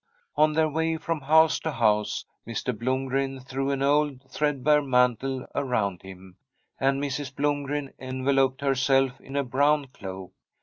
On their way from house to house Mr. Blom gren threw an old threadbare mantle around him, and Mrs. Blomgren enveloped herself in a brown cloak.